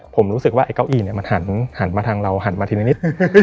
ผมรู้สึกว่าไอ้เก้าอี้มันหันมาทางเราหันมาทีละนิด